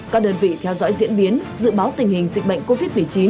các đơn vị theo dõi diễn biến dự báo tình hình dịch bệnh covid một mươi chín